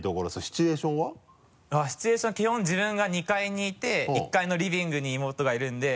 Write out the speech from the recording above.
シチュエーションは基本自分が２階にいて１階のリビングに妹がいるんで。